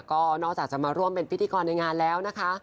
ก็นอกจากจะมาร่วมเป็นพิธีกรในงานแล้วนะคะ